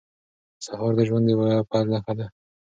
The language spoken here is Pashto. سهار د ژوند د بیا پیل نښه ده.